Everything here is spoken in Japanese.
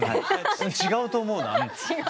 違うと思うな。